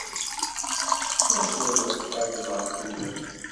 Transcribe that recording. Ma tɣileḍ tfazeḍ ɣef tullas.